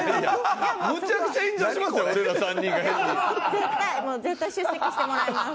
絶対もう絶対出席してもらいます。